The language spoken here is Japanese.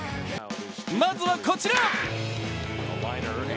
まずはこちら。